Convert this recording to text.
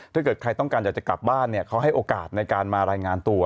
ถ้าเกิดใครต้องการอยากจะกลับบ้านเนี่ยเขาให้โอกาสในการมารายงานตัว